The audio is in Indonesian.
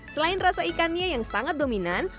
selain rasa ikannya yang sangat dominan